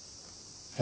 え？